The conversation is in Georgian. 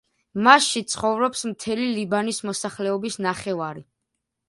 მასში ცხოვრობს მთელი ლიბანის მოსახლეობის ნახევარი.